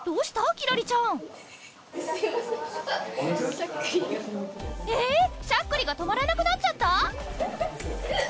キラリちゃんえっ！？しゃっくりが止まらなくなっちゃった？